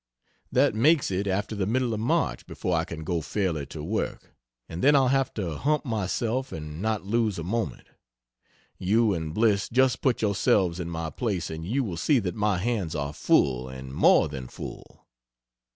That makes it after the middle of March before I can go fairly to work and then I'll have to hump myself and not lose a moment. You and Bliss just put yourselves in my place and you will see that my hands are full and more than full.